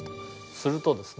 するとですね